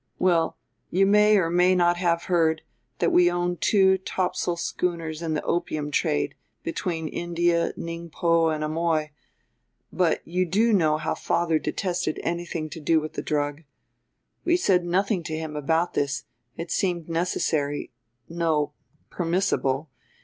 Well, you may or may not have heard that we own two topsail schooners in the opium trade, between India, Ningpo and Amoy, but you do know how father detested anything to do with the drug. We said nothing to him about this; it seemed necessary, no permissible.